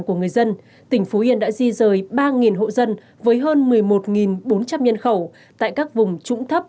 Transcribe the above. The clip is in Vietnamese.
của người dân tỉnh phú yên đã di rời ba hộ dân với hơn một mươi một bốn trăm linh nhân khẩu tại các vùng trũng thấp